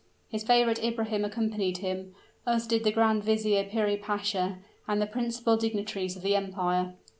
His favorite Ibrahim accompanied him, as did also the Grand Vizier Piri Pasha, and the principal dignitaries of the empire.